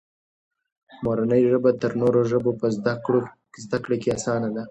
مورنۍ ژبه تر نورو ژبو په زده کړه کې اسانه ده.